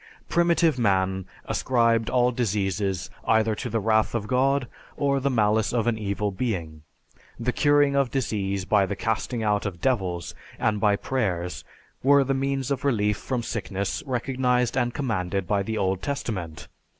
Primitive man ascribed all diseases either to the wrath of God, or the malice of an evil being. The curing of disease by the casting out of devils and by prayers were the means of relief from sickness recognized and commanded by the Old Testament.